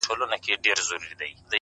• زه ستا په ځان كي يم ماته پيدا كړه،